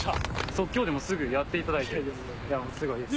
即興ですぐやっていただいてすごいです。